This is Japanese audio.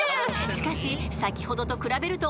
［しかし先ほどと比べると］